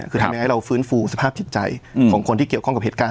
คือทำยังไงให้เราฟื้นฟูสภาพจิตใจของคนที่เกี่ยวข้องกับเหตุการณ์